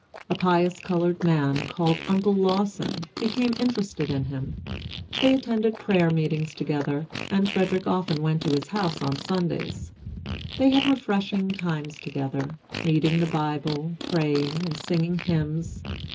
A pious colored man, called Uncle Lawson, became interested in him. They attended prayer meetings together, and Frederick often went to his house on Sundays. They had refreshing times together, reading the Bible, praying, and singing hymns.